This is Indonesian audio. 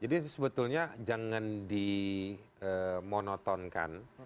jadi sebetulnya jangan dimonotonkan